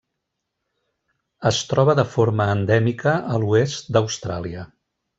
Es troba de forma endèmica a l'oest d'Austràlia.